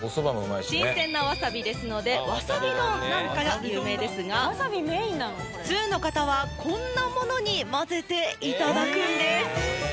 新鮮なわさびですのでわさび丼なんかが有名ですが通の方はこんなものに混ぜて頂くんです。